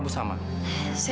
bisa man dropdown aktif